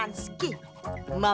oh ini dia